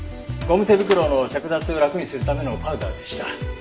ゴム手袋の着脱を楽にするためのパウダーでした。